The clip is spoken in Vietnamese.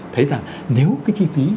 thấy rằng nếu cái chi phí